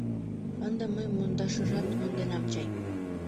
— Ынде мый модашыжат монденам чай.